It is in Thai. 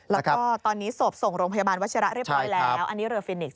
แล้วก็ตอนนี้ศพส่งโรงพยาบาลวัชิระเรียบร้อยแล้วอันนี้เรือฟินิกส